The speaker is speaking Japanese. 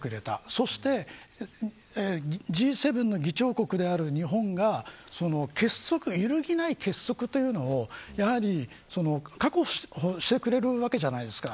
そしてＧ７の議長国である日本が揺るぎない結束というのを確保してくれるわけじゃないですか。